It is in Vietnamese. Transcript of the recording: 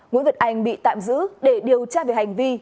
nguyễn việt anh bị tạm giữ để điều tra về hành vi